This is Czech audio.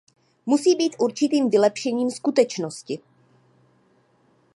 Musí být určitým vylepšením skutečnosti.